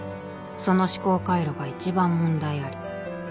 その思考回路が一番問題あり。